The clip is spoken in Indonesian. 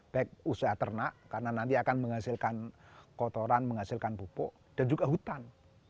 baik usaha ternak karena nanti akan menghasilkan kotoran menghasilkan pupuk dan juga hutan